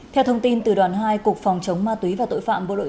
theo thông tin từ đoàn hai cục phòng chống ma túy và tội phạm